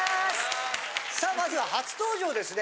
さあまず初登場ですね。